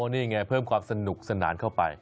นี่ไงเพิ่มความสนุกสนานเข้าไป